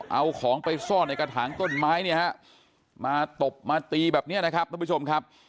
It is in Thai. เอาของไปซ่อนในกระถางต้นไม้เนี่ยฮะมาตบมาตีแบบนี้นะครับท่านผู้ชมครับ